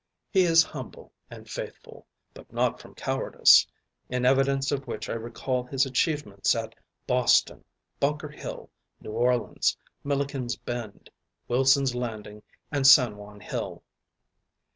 He is humble and faithful, but not from cowardice, in evidence of which I recall his achievements at Boston, Bunker Hill, New Orleans, Milikens Bend, Wilson's Landing, and San Juan Hill.